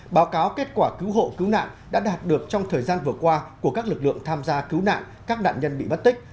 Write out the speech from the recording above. báo cáo kết quả cứu hộ cứu nạn đã đạt được trong thời gian vừa qua của các lực lượng tham gia cứu nạn các nạn nhân bị bắt tích